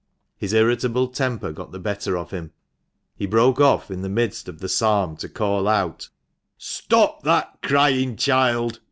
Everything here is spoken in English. His irritable temper got the better of him. He broke off in the midst of the psalm to call out, " Stop that crying child